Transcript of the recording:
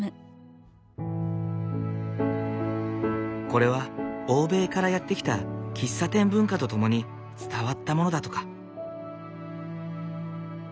これは欧米からやって来た喫茶店文化と共に伝わったものだとか。